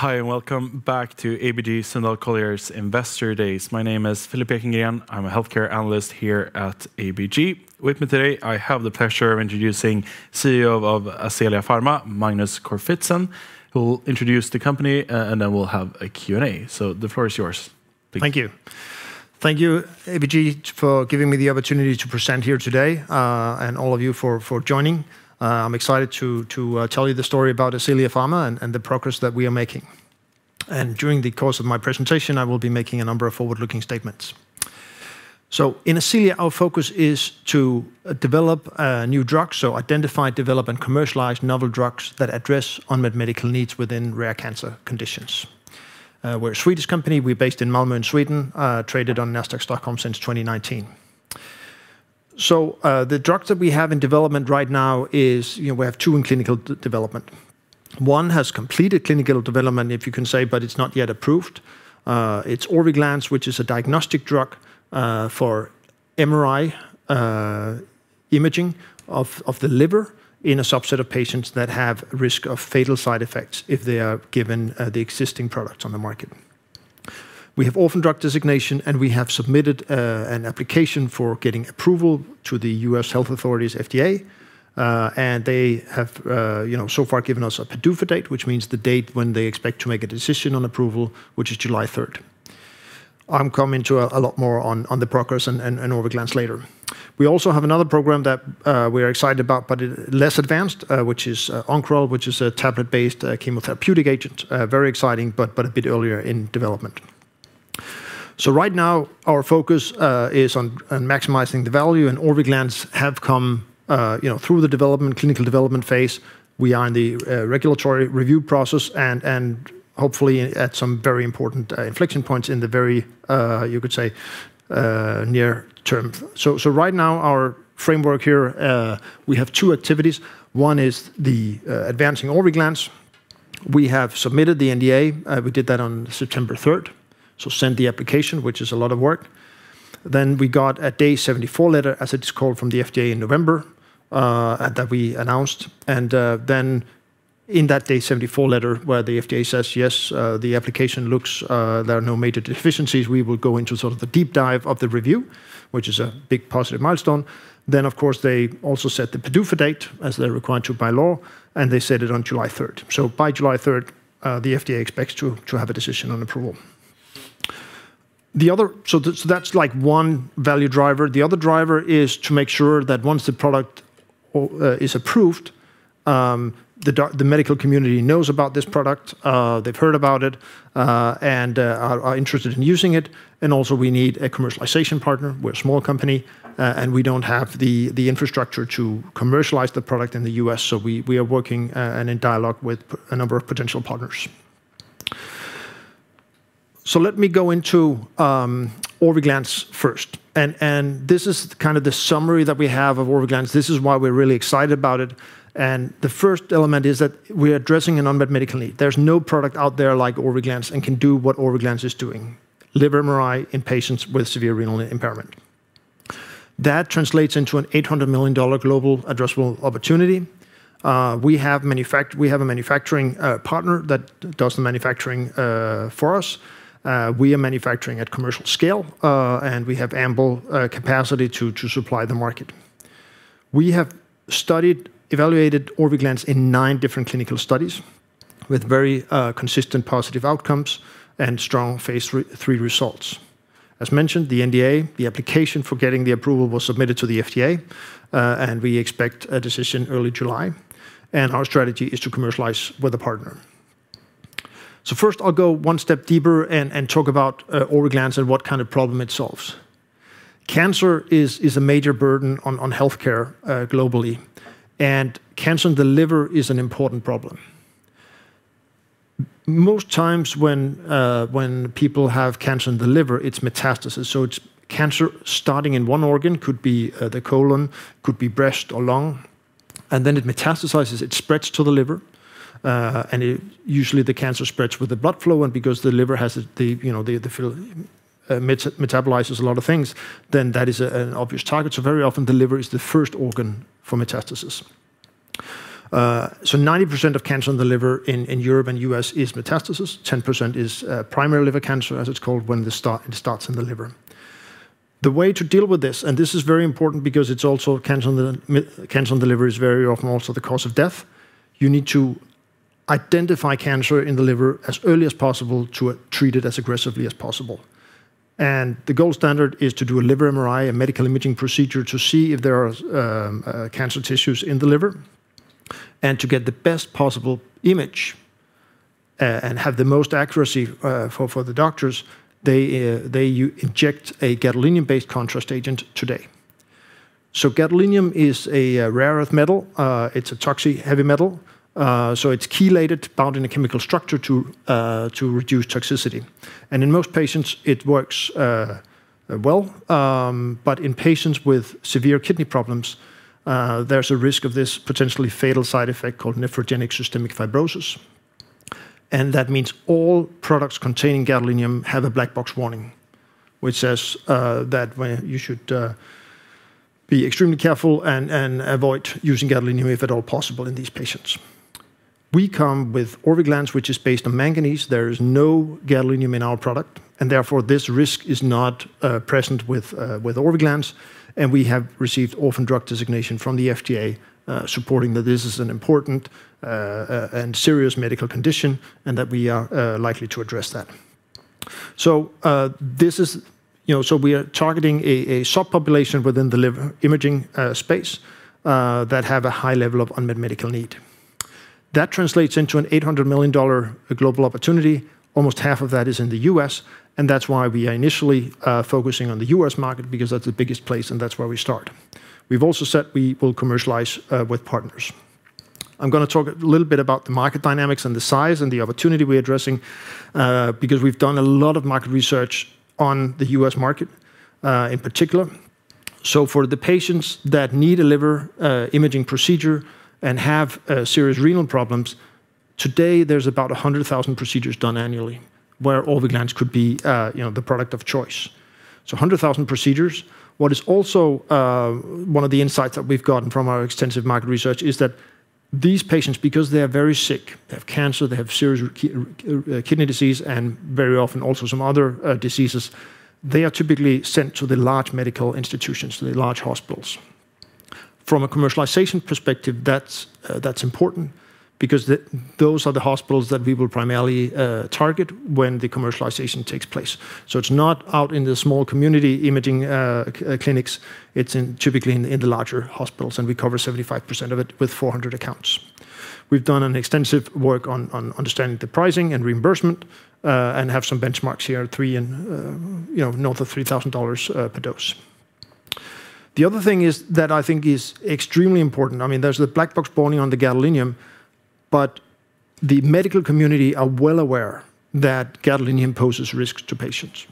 Hi, and welcome back to ABG Sundal Collier's Investor Days. My name is Philip Ekengren. I'm a healthcare analyst here at ABG. With me today, I have the pleasure of introducing CEO of Ascelia Pharma, Magnus Corfitzen, who will introduce the company, and then we'll have a Q&A, so the floor is yours. Thank you. Thank you, ABG, for giving me the opportunity to present here today, and all of you for joining. I'm excited to tell you the story about Ascelia Pharma and the progress that we are making. And during the course of my presentation, I will be making a number of forward-looking statements. So in Ascelia, our focus is to develop new drugs, so identify, develop, and commercialize novel drugs that address unmet medical needs within rare cancer conditions. We're a Swedish company. We're based in Malmö, in Sweden, traded on Nasdaq Stockholm since 2019. So the drugs that we have in development right now is, you know, we have two in clinical development. One has completed clinical development, if you can say, but it's not yet approved. It's Orviglance, which is a diagnostic drug for MRI imaging of the liver in a subset of patients that have a risk of fatal side effects if they are given the existing products on the market. We have orphan drug designation, and we have submitted an application for getting approval to the FDA. And they have, you know, so far given us a PDUFA date, which means the date when they expect to make a decision on approval, which is July 3rd. I'm coming to a lot more on the progress and Orviglance later. We also have another program that we are excited about, but less advanced, which is Oncoral, which is a tablet-based chemotherapeutic agent, very exciting, but a bit earlier in development. So right now, our focus is on maximizing the value, and Orviglance have come, you know, through the development, clinical development phase. We are in the regulatory review process and hopefully at some very important inflection points in the very, you could say, near term. So right now, our framework here, we have two activities. One is the advancing Orviglance. We have submitted the NDA. We did that on September 3rd. So send the application, which is a lot of work. Then we got a Day 74 letter, as it is called, from the FDA in November that we announced. And then in that Day 74 letter, where the FDA says, yes, the application looks, there are no major deficiencies, we will go into sort of the deep dive of the review, which is a big positive milestone. Then, of course, they also set the PDUFA date as they're required to by law, and they set it on July 3rd. By July 3rd, the FDA expects to have a decision on approval. That's like one value driver. The other driver is to make sure that once the product is approved, the medical community knows about this product, they've heard about it, and are interested in using it. We also need a commercialization partner. We're a small company, and we don't have the infrastructure to commercialize the product in the U.S. We are working and in dialogue with a number of potential partners. Let me go into Orviglance first. This is kind of the summary that we have of Orviglance. This is why we're really excited about it. The first element is that we're addressing an unmet medical need. There's no product out there like Orviglance and can do what Orviglance is doing, liver MRI in patients with severe renal impairment. That translates into an $800 million global addressable opportunity. We have a manufacturing partner that does the manufacturing for us. We are manufacturing at commercial scale, and we have ample capacity to supply the market. We have studied, evaluated Orviglance in nine different clinical studies with very consistent positive outcomes and strong phase III results. As mentioned, the NDA, the application for getting the approval was submitted to the FDA, and we expect a decision early July, and our strategy is to commercialize with a partner. So first, I'll go one step deeper and talk about Orviglance and what kind of problem it solves. Cancer is a major burden on healthcare globally, and cancer in the liver is an important problem. Most times when people have cancer in the liver, it's metastasis. So it's cancer starting in one organ, could be the colon, could be breast or lung. Then it metastasizes, it spreads to the liver, and usually the cancer spreads with the blood flow. Because the liver has, you know, metabolizes a lot of things, then that is an obvious target. Very often the liver is the first organ for metastasis. 90% of cancer in the liver in Europe and U.S. is metastasis. 10% is primary liver cancer, as it's called, when it starts in the liver. The way to deal with this, and this is very important because it's also cancer in the liver is very often also the cause of death. You need to identify cancer in the liver as early as possible to treat it as aggressively as possible. The gold standard is to do a liver MRI, a medical imaging procedure to see if there are cancer tissues in the liver. To get the best possible image and have the most accuracy for the doctors, they inject a gadolinium-based contrast agent today. Gadolinium is a rare earth metal. It's a toxic heavy metal. It's chelated, bound in a chemical structure to reduce toxicity. In most patients, it works well. In patients with severe kidney problems, there's a risk of this potentially fatal side effect called nephrogenic systemic fibrosis. That means all products containing gadolinium have a black box warning, which says that you should be extremely careful and avoid using gadolinium if at all possible in these patients. We come with Orviglance, which is based on manganese. There is no gadolinium in our product, and therefore this risk is not present with Orviglance. We have received orphan drug designation from the FDA supporting that this is an important and serious medical condition and that we are likely to address that. So this is, you know, so we are targeting a subpopulation within the liver imaging space that have a high level of unmet medical need. That translates into an $800 million global opportunity. Almost half of that is in the U.S., and that's why we are initially focusing on the U.S. market because that's the biggest place and that's where we start. We've also said we will commercialize with partners. I'm going to talk a little bit about the market dynamics and the size and the opportunity we're addressing because we've done a lot of market research on the U.S. market in particular. For the patients that need a liver imaging procedure and have serious renal problems, today there's about 100,000 procedures done annually where Orviglance could be, you know, the product of choice. 100,000 procedures. What is also one of the insights that we've gotten from our extensive market research is that these patients, because they are very sick, they have cancer, they have serious kidney disease, and very often also some other diseases, they are typically sent to the large medical institutions, to the large hospitals. From a commercialization perspective, that's important because those are the hospitals that we will primarily target when the commercialization takes place. It's not out in the small community imaging clinics. It's typically in the larger hospitals, and we cover 75% of it with 400 accounts. We've done extensive work on understanding the pricing and reimbursement and have some benchmarks here, three, you know, north of $3,000 per dose. The other thing is that I think is extremely important. I mean, there's the black box warning on the gadolinium, but the medical community are well aware that gadolinium poses risks to patients,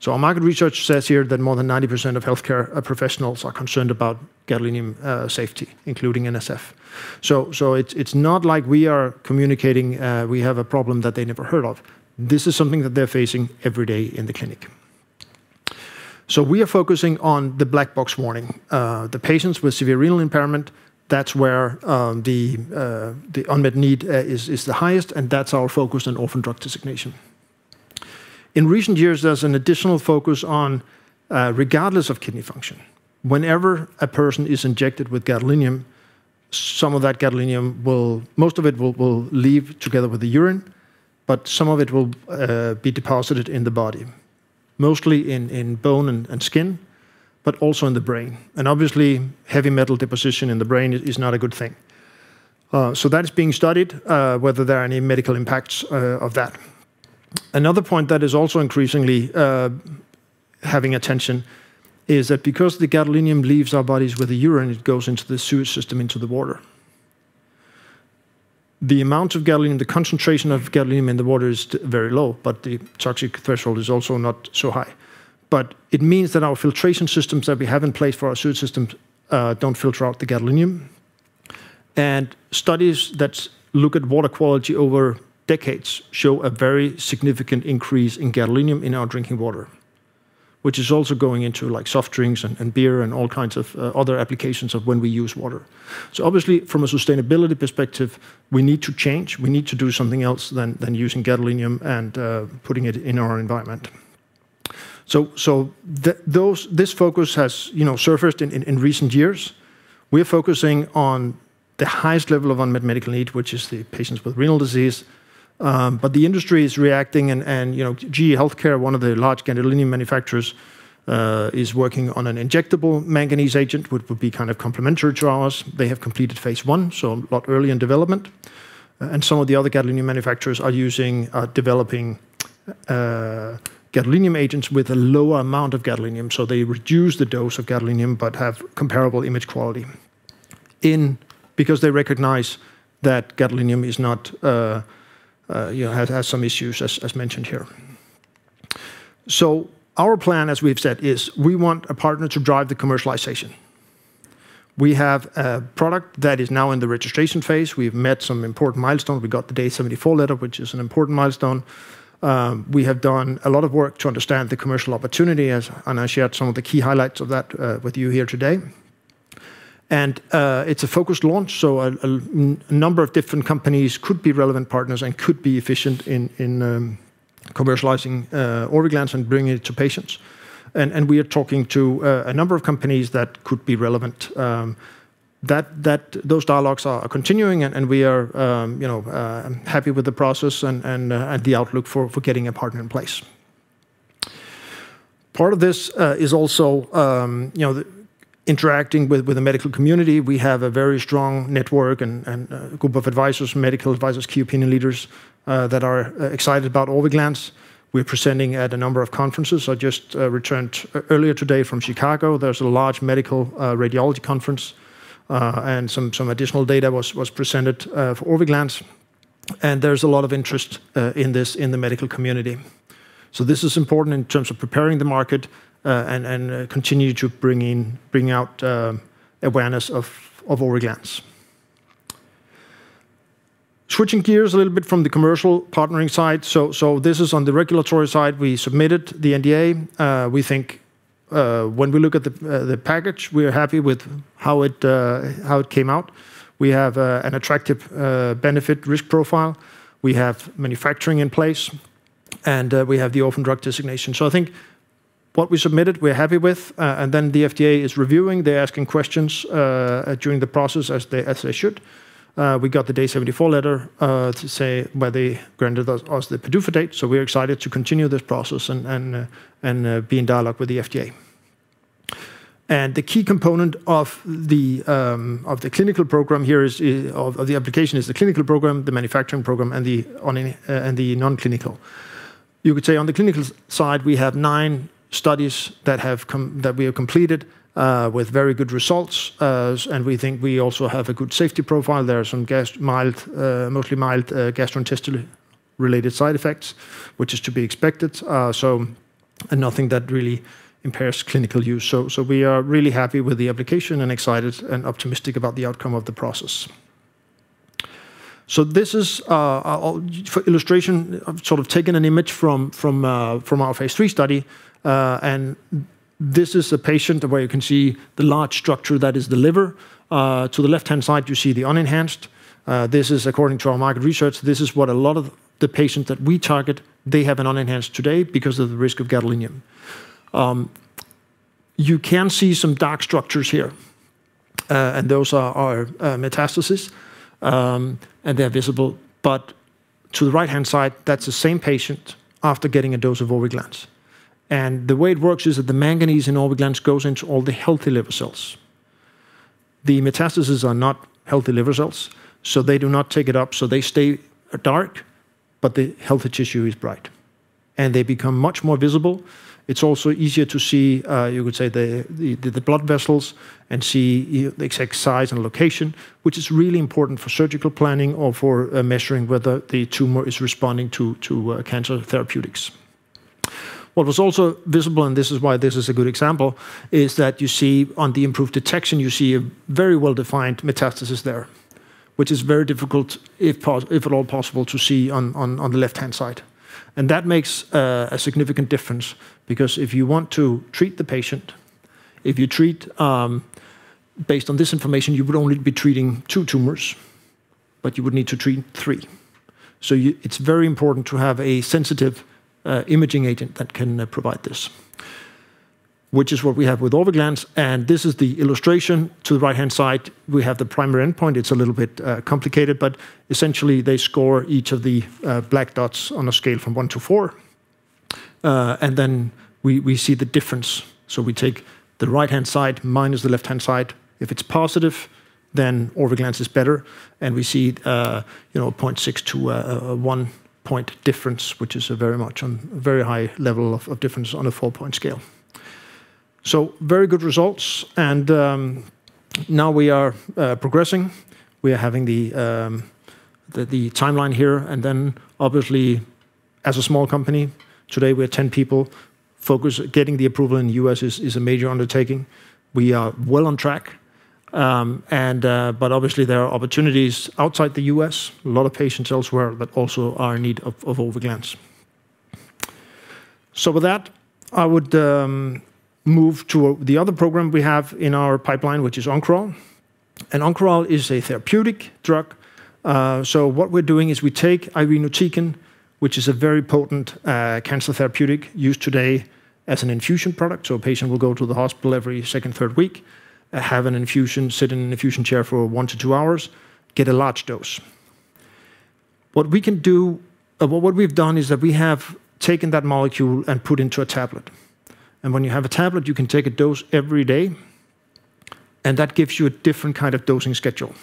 so our market research says here that more than 90% of healthcare professionals are concerned about gadolinium safety, including NSF, so it's not like we are communicating we have a problem that they never heard of. This is something that they're facing every day in the clinic, so we are focusing on the black box warning. The patients with severe renal impairment, that's where the unmet need is the highest, and that's our focus and orphan drug designation. In recent years, there's an additional focus on regardless of kidney function. Whenever a person is injected with gadolinium, some of that gadolinium, most of it will leave together with the urine, but some of it will be deposited in the body, mostly in bone and skin, but also in the brain. And obviously, heavy metal deposition in the brain is not a good thing. So that is being studied, whether there are any medical impacts of that. Another point that is also increasingly having attention is that because the gadolinium leaves our bodies with the urine, it goes into the sewage system, into the water. The amount of gadolinium, the concentration of gadolinium in the water is very low, but the toxic threshold is also not so high. But it means that our filtration systems that we have in place for our sewage systems don't filter out the gadolinium. Studies that look at water quality over decades show a very significant increase in gadolinium in our drinking water, which is also going into like soft drinks and beer and all kinds of other applications of when we use water. Obviously, from a sustainability perspective, we need to change. We need to do something else than using gadolinium and putting it in our environment. This focus has surfaced in recent years. We're focusing on the highest level of unmet medical need, which is the patients with renal disease. The industry is reacting, and, you know, GE HealthCare, one of the large gadolinium manufacturers, is working on an injectable manganese agent, which would be kind of complementary to ours. They have completed phase I, so a lot early in development. Some of the other gadolinium manufacturers are developing gadolinium agents with a lower amount of gadolinium. They reduce the dose of gadolinium, but have comparable image quality because they recognize that gadolinium has some issues, as mentioned here. Our plan, as we've said, is we want a partner to drive the commercialization. We have a product that is now in the registration phase. We've met some important milestones. We got the Day 74 letter, which is an important milestone. We have done a lot of work to understand the commercial opportunity, and I shared some of the key highlights of that with you here today. It's a focused launch, so a number of different companies could be relevant partners and could be efficient in commercializing Orviglance and bringing it to patients. We are talking to a number of companies that could be relevant. Those dialogues are continuing, and we are, you know, happy with the process and the outlook for getting a partner in place. Part of this is also, you know, interacting with the medical community. We have a very strong network and a group of advisors, medical advisors, key opinion leaders that are excited about Orviglance. We're presenting at a number of conferences. I just returned earlier today from Chicago. There's a large medical radiology conference, and some additional data was presented for Orviglance, and there's a lot of interest in this in the medical community, so this is important in terms of preparing the market and continuing to bring out awareness of Orviglance. Switching gears a little bit from the commercial partnering side, so this is on the regulatory side. We submitted the NDA. We think when we look at the package, we are happy with how it came out. We have an attractive benefit-risk profile. We have manufacturing in place, and we have the orphan drug designation, so I think what we submitted, we're happy with, and then the FDA is reviewing. They're asking questions during the process as they should. We got the Day 74 letter to say where they granted us the PDUFA date, so we're excited to continue this process and be in dialogue with the FDA, and the key component of the application is the clinical program, the manufacturing program, and the non-clinical. You could say on the clinical side, we have nine studies that we have completed with very good results, and we think we also have a good safety profile. There are some mild, mostly mild gastrointestinal-related side effects, which is to be expected, so nothing that really impairs clinical use. We are really happy with the application and excited and optimistic about the outcome of the process. This is for illustration. I've sort of taken an image from phase III study. This is a patient where you can see the large structure that is the liver. To the left-hand side, you see the unenhanced. This is according to our market research. This is what a lot of the patients that we target; they have an unenhanced today because of the risk of gadolinium. You can see some dark structures here, and those are metastases, and they're visible. To the right-hand side, that's the same patient after getting a dose of Orviglance. The way it works is that the manganese in Orviglance goes into all the healthy liver cells. The metastases are not healthy liver cells, so they do not take it up. So they stay dark, but the healthy tissue is bright, and they become much more visible. It's also easier to see, you could say, the blood vessels and see the exact size and location, which is really important for surgical planning or for measuring whether the tumor is responding to cancer therapeutics. What was also visible, and this is why this is a good example, is that you see on the improved detection, you see a very well-defined metastasis there, which is very difficult, if at all possible, to see on the left-hand side. And that makes a significant difference because if you want to treat the patient, if you treat based on this information, you would only be treating two tumors, but you would need to treat three. So it's very important to have a sensitive imaging agent that can provide this, which is what we have with Orviglance. This is the illustration. To the right-hand side, we have the primary endpoint. It's a little bit complicated, but essentially they score each of the black dots on a scale from one to four. Then we see the difference. So we take the right-hand side minus the left-hand side. If it's positive, then Orviglance is better. We see, you know, 0.6 to 1 point difference, which is a very high level of difference on a four-point scale. So very good results. Now we are progressing. We are having the timeline here. Then obviously, as a small company today, we are 10 people. Focus getting the approval in the U.S. is a major undertaking. We are well on track. But obviously, there are opportunities outside the U.S., a lot of patients elsewhere that also are in need of Orviglance. With that, I would move to the other program we have in our pipeline, which is Oncoral. Oncoral is a therapeutic drug. What we're doing is we take IV irinotecan, which is a very potent cancer therapeutic used today as an infusion product. A patient will go to the hospital every second, third week, have an infusion, sit in an infusion chair for one to two hours, get a large dose. What we can do, what we've done is that we have taken that molecule and put into a tablet. When you have a tablet, you can take a dose every day. That gives you a different kind of dosing schedule.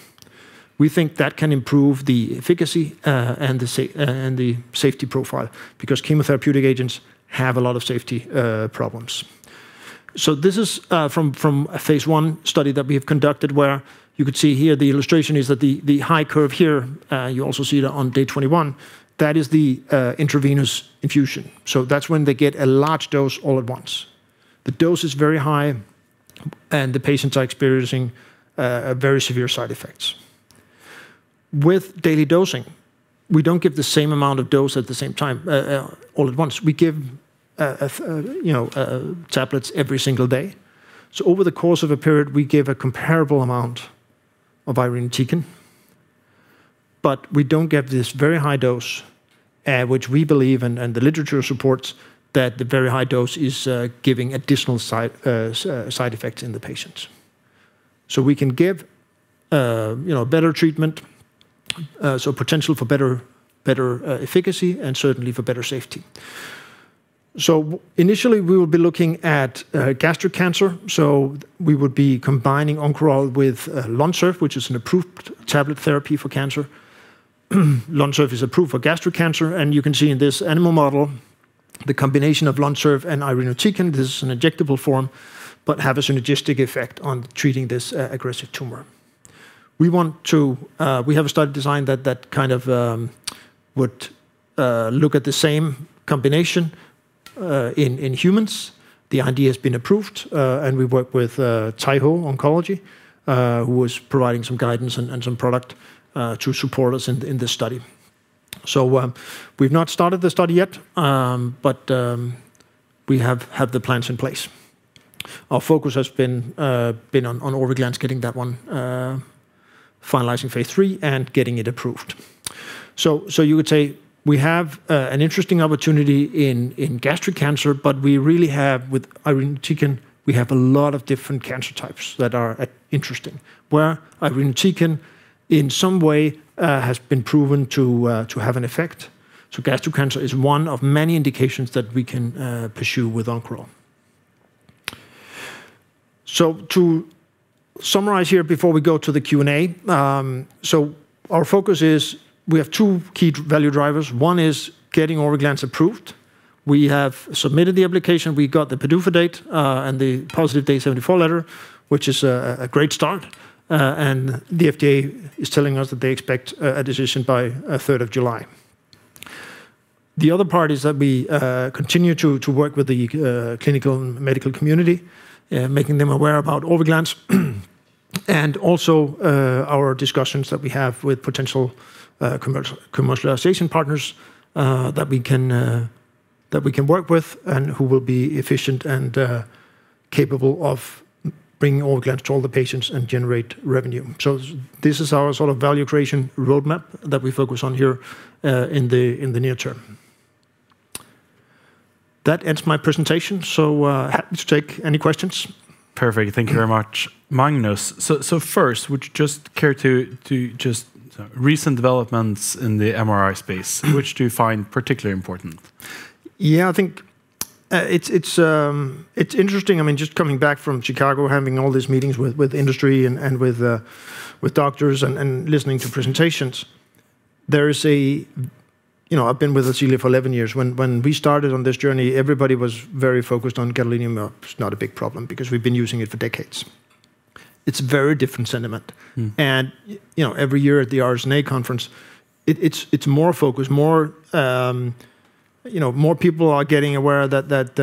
We think that can improve the efficacy and the safety profile because chemotherapeutic agents have a lot of safety problems. This is from a phase I study that we have conducted where you could see here the illustration is that the high curve here. You also see it on day 21, that is the intravenous infusion. So that's when they get a large dose all at once. The dose is very high, and the patients are experiencing very severe side effects. With daily dosing, we don't give the same amount of dose at the same time all at once. We give, you know, tablets every single day. So over the course of a period, we give a comparable amount of irinotecan. But we don't give this very high dose, which we believe and the literature supports that the very high dose is giving additional side effects in the patients. So we can give, you know, better treatment, so potential for better efficacy and certainly for better safety. Initially, we will be looking at gastric cancer. We would be combining Oncoral with Lonsurf, which is an approved tablet therapy for cancer. Lonsurf is approved for gastric cancer, and you can see in this animal model, the combination of Lonsurf and irinotecan, this is an injectable form, but have a synergistic effect on treating this aggressive tumor. We have a study design that kind of would look at the same combination in humans. The idea has been approved, and we work with Taiho Oncology, who was providing some guidance and some product to support us in this study, so we've not started the study yet, but we have the plans in place. Our focus has been on Orviglance, getting that one finalized phase III and getting it approved. You could say we have an interesting opportunity in gastric cancer, but we really have with irinotecan, we have a lot of different cancer types that are interesting where irinotecan in some way has been proven to have an effect. Gastric cancer is one of many indications that we can pursue with Oncoral. To summarize here before we go to the Q&A, our focus is we have two key value drivers. One is getting Orviglance approved. We have submitted the application. We got the PDUFA date and the positive Day 74 letter, which is a great start. The FDA is telling us that they expect a decision by 3rd of July. The other part is that we continue to work with the clinical and medical community, making them aware about Orviglance and also our discussions that we have with potential commercialization partners that we can work with and who will be efficient and capable of bringing Orviglance to all the patients and generate revenue. So this is our sort of value creation roadmap that we focus on here in the near term. That ends my presentation. So happy to take any questions. Perfect. Thank you very much, Magnus. So first, would you just care to comment on recent developments in the MRI space, which do you find particularly important? Yeah, I think it's interesting. I mean, just coming back from Chicago, having all these meetings with industry and with doctors and listening to presentations, there is, you know, I've been with this really for 11 years. When we started on this journey, everybody was very focused on gadolinium. It's not a big problem because we've been using it for decades. It's a very different sentiment. And, you know, every year at the RSNA conference, it's more focus, more, you know, more people are getting aware that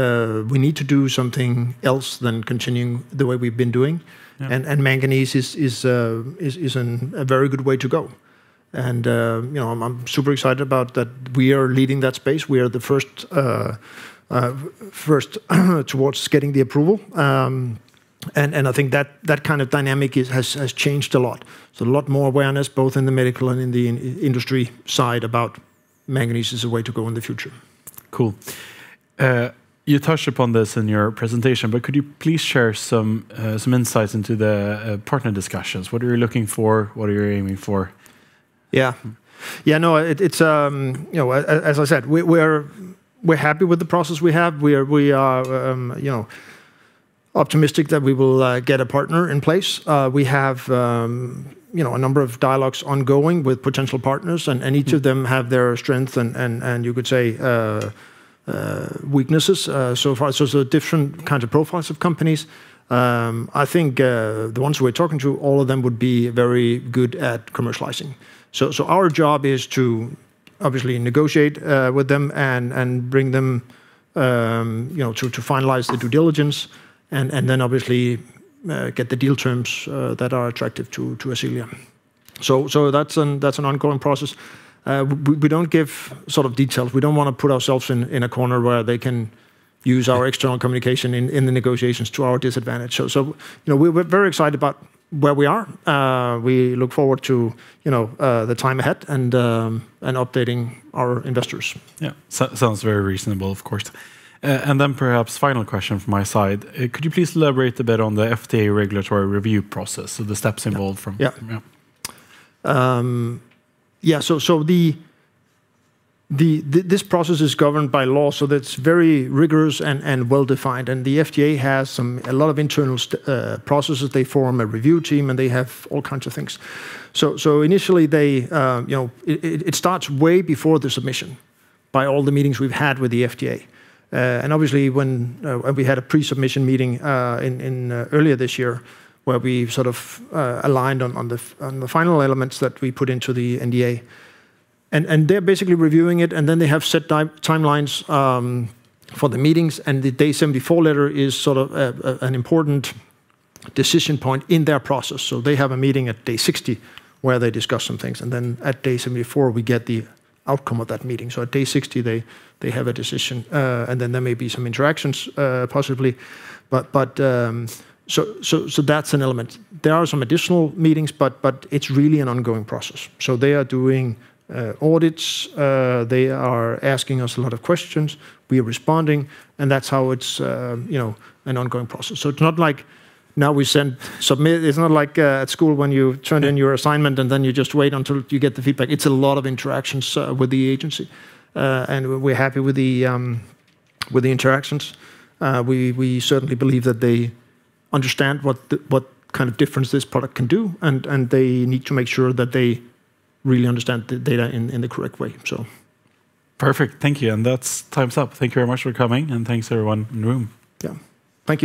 we need to do something else than continuing the way we've been doing. And manganese is a very good way to go. And, you know, I'm super excited about that we are leading that space. We are the first towards getting the approval. And I think that kind of dynamic has changed a lot. There's a lot more awareness both in the medical and in the industry side about manganese as a way to go in the future. Cool. You touched upon this in your presentation, but could you please share some insights into the partner discussions? What are you looking for? What are you aiming for? Yeah. Yeah, no, it's, you know, as I said, we're happy with the process we have. We are, you know, optimistic that we will get a partner in place. We have, you know, a number of dialogues ongoing with potential partners, and each of them have their strengths and you could say weaknesses so far. So there's a different kind of profiles of companies. I think the ones we're talking to, all of them would be very good at commercializing. So our job is to obviously negotiate with them and bring them, you know, to finalize the due diligence and then obviously get the deal terms that are attractive to Ascelia. So that's an ongoing process. We don't give sort of details. We don't want to put ourselves in a corner where they can use our external communication in the negotiations to our disadvantage. So, you know, we're very excited about where we are. We look forward to, you know, the time ahead and updating our investors. Yeah, sounds very reasonable, of course. And then perhaps final question from my side. Could you please elaborate a bit on the FDA regulatory review process, so the steps involved from? Yeah. Yeah, so this process is governed by law, so that's very rigorous and well-defined. And the FDA has a lot of internal processes. They form a review team, and they have all kinds of things. So initially, you know, it starts way before the submission by all the meetings we've had with the FDA. And obviously, when we had a pre-submission meeting earlier this year where we sort of aligned on the final elements that we put into the NDA. And they're basically reviewing it, and then they have set timelines for the meetings. And the Day 74 letter is sort of an important decision point in their process. So they have a meeting at day 60 where they discuss some things. And then at day 74, we get the outcome of that meeting. So at day 60, they have a decision, and then there may be some interactions possibly. But so that's an element. There are some additional meetings, but it's really an ongoing process. So they are doing audits. They are asking us a lot of questions. We are responding, and that's how it's, you know, an ongoing process. So it's not like now we send submit. It's not like at school when you turn in your assignment and then you just wait until you get the feedback. It's a lot of interactions with the agency. And we're happy with the interactions. We certainly believe that they understand what kind of difference this product can do, and they need to make sure that they really understand the data in the correct way. So. Perfect. Thank you. And that's time's up. Thank you very much for coming. And thanks everyone in the room. Yeah. Thank you.